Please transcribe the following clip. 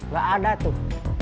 gak ada tuh